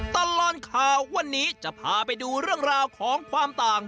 ตลอดข่าววันนี้จะพาไปดูเรื่องราวของความต่าง